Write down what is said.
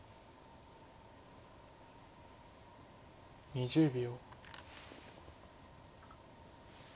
２０秒。